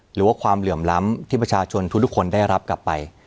หรือว่าความเหลื่อมล้ำที่ประชาชนทุกคนได้รับกลับไป